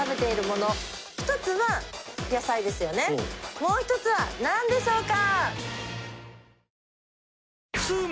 もう一つはなんでしょうか？